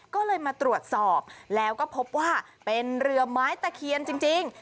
ก็เลยมาตรวจสอบแล้วก็พบว่าเป็นเรือไม้ตะเคียนจริง